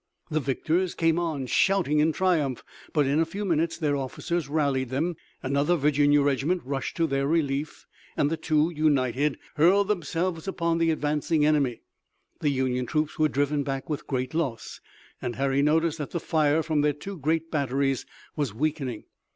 The victors came on, shouting in triumph, but in a few minutes their officers rallied them, another Virginia regiment rushed to their relief, and the two, united, hurled themselves upon the advancing enemy. The Union troops were driven back with great loss, and Harry noticed that the fire from their two great batteries was weakening.